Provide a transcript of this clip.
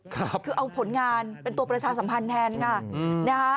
คือเอาผลงานเป็นตัวประชาสัมพันธ์แทน